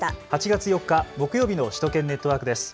８月４日、木曜日の首都圏ネットワークです。